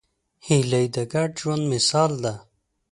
هیلۍ د ګډ ژوند مثال ده